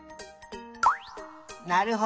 なるほど。